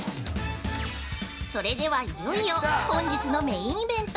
◆それでは、いよいよ本日のメインイベント！